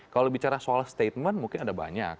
kalau bicara soal statement mungkin ada banyak